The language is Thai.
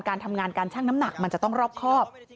การทำงานการชั่งน้ำหนักมันจะต้องรอบครอบ